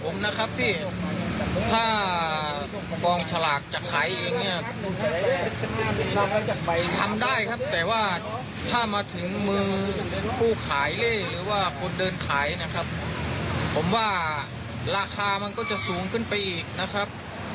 มีแต่คนเดินขายเลยนะครับเพราะว่าคนเดินขายจังหวัดเลยนี่จะขายทั่วประเทศไทยนะครับ